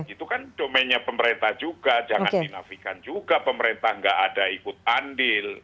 itu kan domennya pemerintah juga jangan dinafikan juga pemerintah nggak ada ikut andil